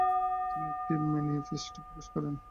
তিনি একটি ম্যানিফেস্টো প্রকাশ করেন।